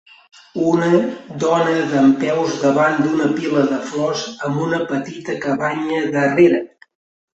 Una dona dempeus davant d'una pila de flors amb una petita cabanya darrere.